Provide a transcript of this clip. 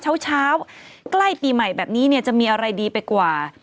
เช้าใกล้ปีใหม่แบบนี้เนี่ยจะมีอะไรดีไปกว่า